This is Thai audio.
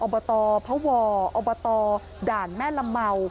อบตพระหวาอบตด่านแม่ลำเหมา